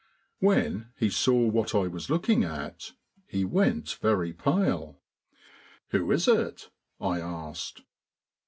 When, he saw what I was looking at he went very pale. "Who is it?" I asked.